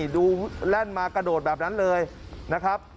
ดูแล่นมากระโดดแบบนั้นเลยนะครับ